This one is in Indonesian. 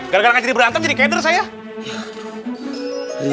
gara gara ngajari berantem jadi keder saya